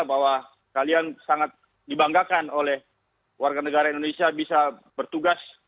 bahwa kalian sangat dibanggakan oleh warga negara indonesia bisa bertugas